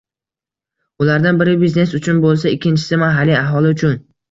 ulardan biri biznes uchun boʻlsa, ikkinchisi mahalliy aholi uchun.